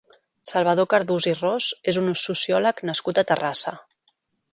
Salvador Cardús i Ros és un sociòleg nascut a Terrassa.